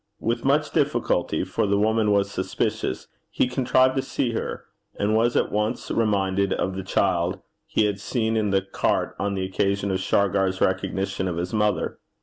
With much difficulty, for the woman was suspicious, he contrived to see her, and was at once reminded of the child he had seen in the cart on the occasion of Shargar's recognition of his mother.